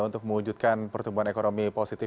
untuk mewujudkan pertumbuhan ekonomi positif